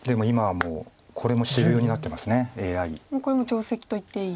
もうこれも定石といっていい。